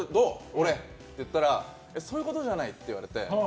俺って言ったらそういうことじゃないって言われて。